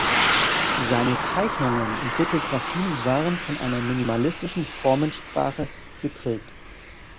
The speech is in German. Seine Zeichnungen und Lithographien waren von einer minimalistischen Formensprache geprägt.